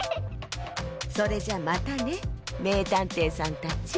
それじゃまたねめいたんていさんたち。